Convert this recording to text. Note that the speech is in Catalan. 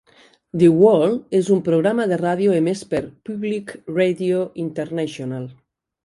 "The World" és un programa de ràdio emès per Public Radio International.